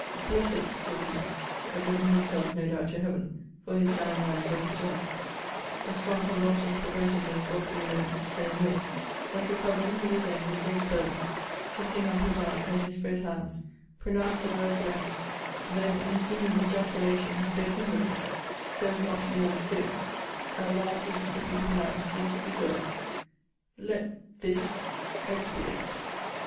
Blessed said he, addressing himself no doubt to Heaven; for his dying eyes were lifted up a strong convulsion prevented him for a few moments saying more but recovering, he again, with great fervour, (lifting up his eyes, and his spread hands,) pronounced the word blessed: Then, in a seeming ejaculation, he spoke inwardly, so as not to be understood: at last, he distinctly pronounced these three words, LET THIS EXPIATE!